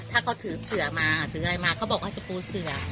ถ้าเขาถือเสือมาเขาบอกว่าจะปูเสือ